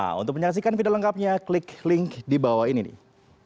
nah untuk menyaksikan video lengkapnya klik link di bawah ini nih